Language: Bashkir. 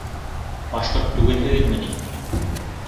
Башҡорт түгелһегеҙме ни?